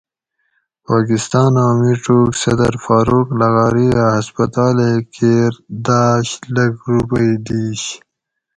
پاکستاناں مِڄوگ صدر فاروق لغاری اۤ ہسپتالیں کیر داۤش لکھ رُوپئی دِیش